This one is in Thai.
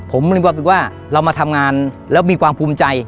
ผมมีความรู้สึกว่าเรามาทำงานแล้วมีความภูมิใจ